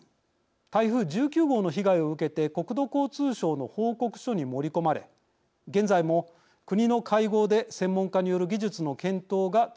台風１９号の被害を受けて国土交通省の報告書に盛り込まれ現在も国の会合で専門家による技術の検討が続けられています。